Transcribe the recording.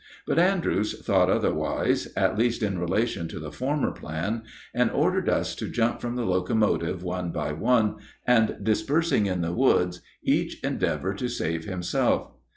But Andrews thought otherwise, at least in relation to the former plan, and ordered us to jump from the locomotive one by one, and, dispersing in the woods, each endeavor to save himself.